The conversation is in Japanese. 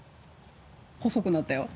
細くなったよ。